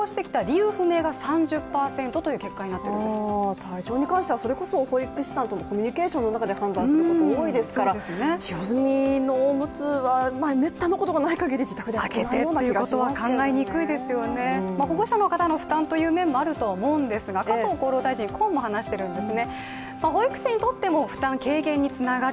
体調に関してはそれこそ保育士さんとのコミュニケーションの中で判断することが多いですから、使用済みのおむつはめったなことがないかぎり、自宅で開けないですね、保護者の方の負担という面もあると思うんですが加藤厚労大臣、こうも話してるんですね。